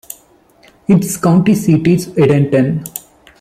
Its county seat is Edenton.